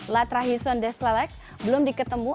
latrahison desleleks belum diketemu